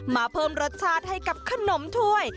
เพิ่มรสชาติให้กับขนมถ้วย